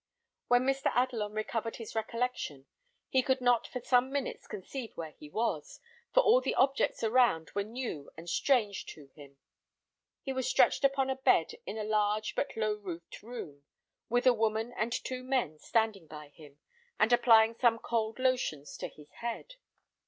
When Mr. Adelon recovered his recollection, he could not for some minutes conceive where he was, for all the objects around were new and strange to him. He was stretched upon a bed in a large but low roofed room, with a woman and two men standing by him, and applying some cold lotions to his head.